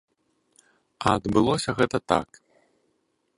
А адбылося гэта так.